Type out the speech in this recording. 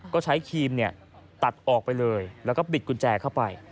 ก็ใช้ครีมตัดออกไปเลยแล้วก็บิดกุญแจเข้าไป